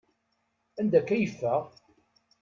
Anda akka i yeffeɣ?